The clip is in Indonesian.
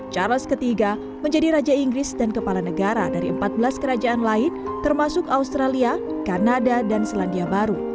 charles iii menjadi raja inggris dan kepala negara dari empat belas kerajaan lain termasuk australia kanada dan selandia baru